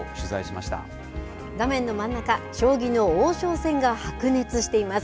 画面の真ん中、将棋の王将戦が白熱しています。